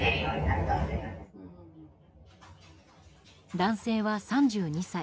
男性は３２歳。